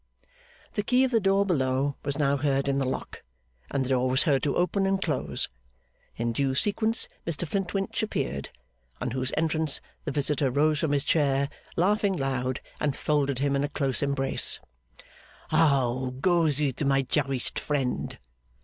The key of the door below was now heard in the lock, and the door was heard to open and close. In due sequence Mr Flintwinch appeared; on whose entrance the visitor rose from his chair, laughing loud, and folded him in a close embrace. 'How goes it, my cherished friend!